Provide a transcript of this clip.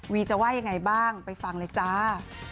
จะว่ายังไงบ้างไปฟังเลยจ้า